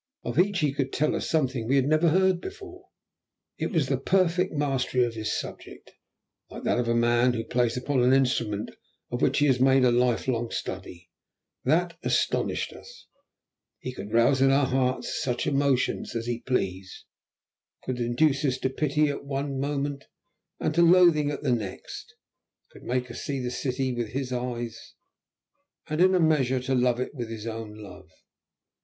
Of each he could tell us something we had never heard before. It was the perfect mastery of his subject, like that of a man who plays upon an instrument of which he has made a lifelong study, that astonished us. He could rouse in our hearts such emotions as he pleased; could induce us to pity at one moment, and to loathing at the next; could make us see the city with his eyes, and in a measure to love it with his own love.